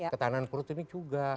ketahanan kurut ini juga